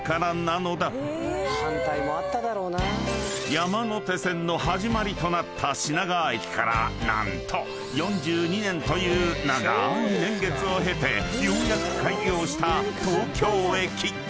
［山手線の始まりとなった品川駅から何と４２年という長ーい年月を経てようやく開業した東京駅］